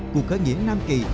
cuộc khởi nghĩa năm kỳ